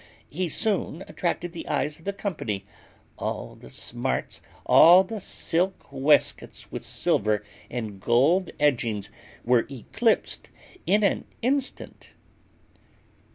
He soon attracted the eyes of the company; all the smarts, all the silk waistcoats with silver and gold edgings, were eclipsed in an instant.